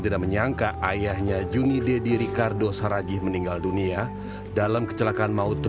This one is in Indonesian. tidak menyangka ayahnya juni deddy ricardo saragih meninggal dunia dalam kecelakaan maut